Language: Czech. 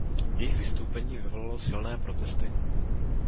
Jejich vystoupení vyvolalo silné protesty.